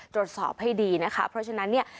ตรวจสอบให้ดีนะคะเพราะฉะนั้นเนี่ย